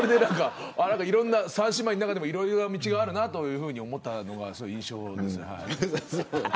三姉妹の中でもいろんな道があるなと思ったのが印象です。